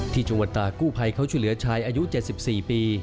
ที่จังหวัดตากู้ภัยเขาช่วยเหลือชายอายุ๗๔ปี